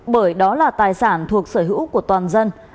bởi đó là tài sản thuộc sở hữu của toàn dân